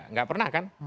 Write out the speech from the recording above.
tidak pernah kan